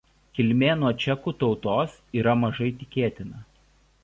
Kilmė nuo čekų tautos yra mažai tikėtina.